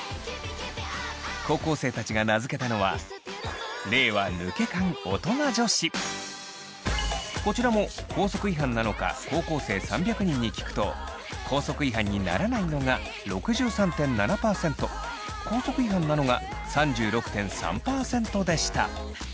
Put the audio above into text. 高校生たちが名付けたのはこちらも校則違反なのか高校生３００人に聞くと校則違反にならないのが６３．７％校則違反なのが３６．３％でした。